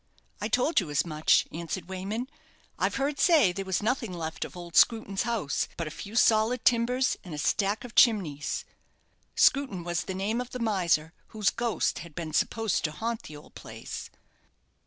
"I told you as much," answered Wayman; "I've heard say there was nothing left of old Screwton's house but a few solid timbers and a stack of chimneys." Screwton was the name of the miser whose ghost had been supposed to haunt the old place.